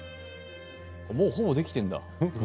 もうほぼできてんだ。